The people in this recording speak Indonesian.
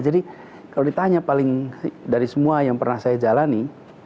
jadi kalau ditanya paling dari semua yang pernah saya jalani